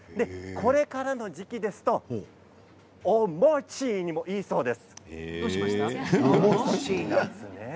これからの時期ですとお餅にもいいそうです。